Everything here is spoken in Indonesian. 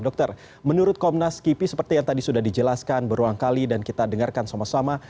dokter menurut komnas kipi seperti yang tadi sudah dijelaskan berulang kali dan kita dengarkan sama sama